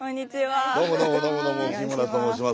どうもどうもどうもどうも日村と申します。